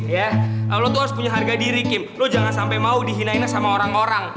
ya allah tuh harus punya harga diri kim lo jangan sampai mau dihinain sama orang orang